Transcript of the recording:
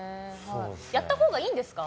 やったほうがいいんですか？